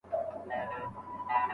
ملکیار د سیند څپې د خپل وصال خنډ بولي.